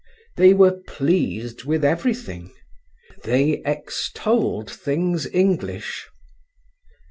They were pleased with everything; they extolled things English.